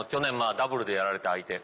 ダブルでやられた相手。